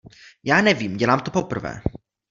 Já nevím, dělám to poprvé.